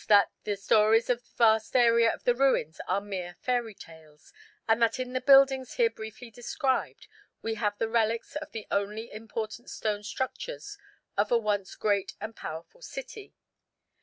that the stories of the vast area of the ruins are mere fairy tales, and that in the buildings here briefly described we have the relics of the only important stone structures of a once great and powerful city.